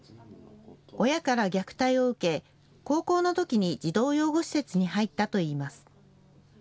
親から虐待を受け高校のときに児童養護施設に入ったといいます。